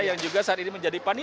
yang juga saat ini menjadi paniti